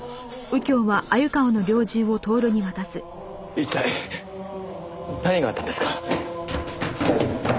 一体何があったんですか？